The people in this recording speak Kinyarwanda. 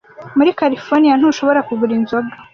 Muri Californiya ntushobora kugura inzoga